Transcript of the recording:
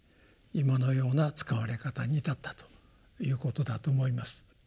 今のような使われ方に至ったということだと思います。